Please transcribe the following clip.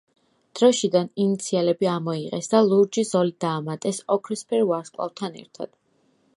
დროშიდან ინიციალები ამოიღეს და ლურჯი ზოლი დაამატეს ოქროსფერ ვარსკვლავთან ერთად.